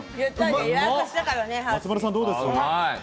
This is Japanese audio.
松丸さん、どうです？